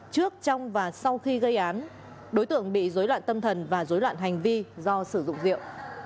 trước trong và sau khi gây án đối tượng bị dối loạn tâm thần và dối loạn hành vi do sử dụng rượu